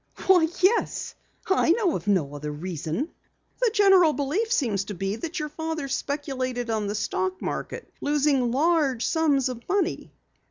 "Why, yes. I know of no other reason." "The general belief seems to be that your father speculated on the stock market, losing large sums of money."